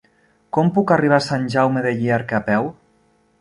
Com puc arribar a Sant Jaume de Llierca a peu?